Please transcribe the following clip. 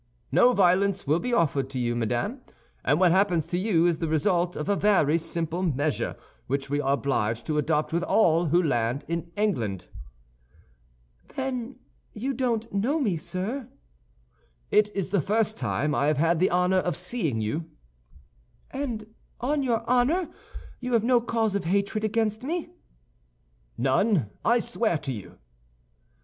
"No violence will be offered to you, madame, and what happens to you is the result of a very simple measure which we are obliged to adopt with all who land in England." "Then you don't know me, sir?" "It is the first time I have had the honor of seeing you." "And on your honor, you have no cause of hatred against me?" "None, I swear to you."